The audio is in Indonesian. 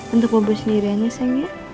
untuk bobo sendirian ya sayang ya